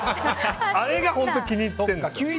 あれが本当気に入ってるんです。